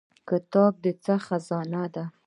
کتاب د څه خزانه ده؟